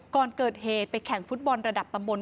ก่อนเกิดเหตุไปแข่งฟุตบอลระดับตำบล